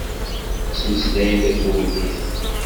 Ttmeslayen takurdit.